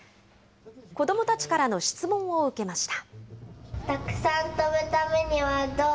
子どもたちからの質問を受けました。